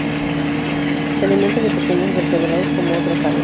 Se alimenta de pequeños vertebrados, como otras aves.